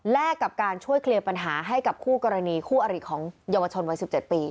กับการช่วยเคลียร์ปัญหาให้กับคู่กรณีคู่อริของเยาวชนวัย๑๗ปี